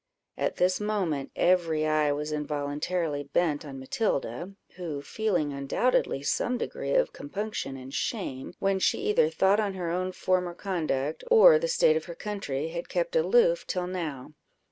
At this moment, every eye was involuntarily bent on Matilda, who, feeling undoubtedly some degree of compunction and shame, when she either thought on her own former conduct, or the state of her country, had kept aloof till now.